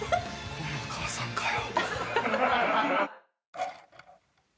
今度は母さんかよ。